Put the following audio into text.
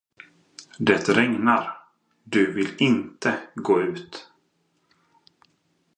Det regnar, du vill inte gå ut!